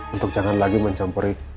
untuk jangan lagi mencampuri